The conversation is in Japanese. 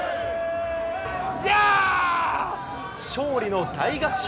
勝利の大合唱。